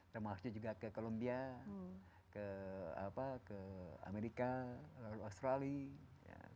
termasuk juga ke columbia ke amerika lalu australia